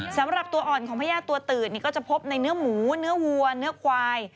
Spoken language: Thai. สำหรับตัวอ่อนของพญาติตัวตืดก็จะพบในเนื้อหมูเนื้อวัวเนื้อควาย